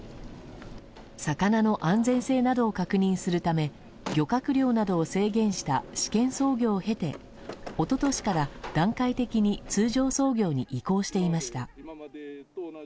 魚の安全性などを確認するため漁獲量などを制限した試験操業を経ておととしから段階的に通常操業に移行していました。